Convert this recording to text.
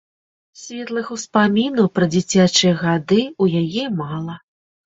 Светлых успамінаў пра дзіцячыя гады ў яе мала.